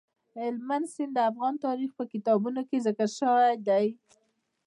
هلمند سیند د افغان تاریخ په کتابونو کې ذکر شوی دي.